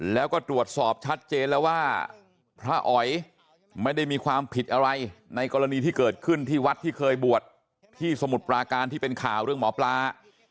แล้วก็ตรวจสอบชัดเจนแล้วว่าพระอ๋อยไม่ได้มีความผิดอะไรในกรณีที่เกิดขึ้นที่วัดที่เคยบวชที่สมุทรปราการที่เป็นข่าวเรื่องหมอปลา